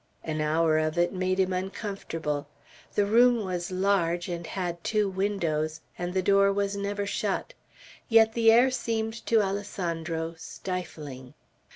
An hour of it made him uncomfortable. The room was large, and had two windows, and the door was never shut; yet the air seemed to Alessandro stifling.